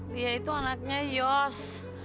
dia itu anaknya yos